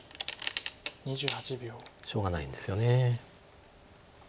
しょうがないんですよね。